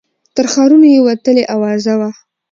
تر ښارونو یې وتلې آوازه وه